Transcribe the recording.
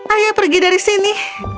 ayah pergi dari sini